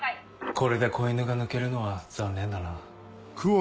これで子犬が抜けるのは残念だな。